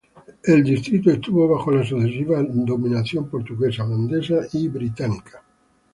El distrito estuvo bajo la sucesiva dominación portuguesa, holandesa y británica.